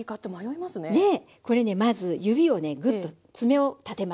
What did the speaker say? これねまず指をねぐっと爪を立てます。